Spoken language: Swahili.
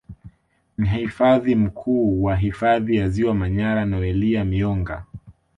Mhifadhi Mkuu wa Hifadhi ya Ziwa Manyara Noelia Myonga